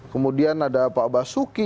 kemudian ada pak basuki